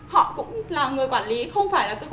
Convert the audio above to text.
họ cũng là người quản lý không phải là cơ quan nhà nước